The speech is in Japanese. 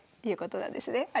いうことなんですね。